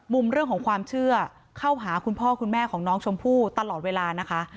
มุมเรื่องของความเชื่อเข้าหาคุณพ่อคุณแม่ของน้องชมพู่ตลอดเวลานะคะ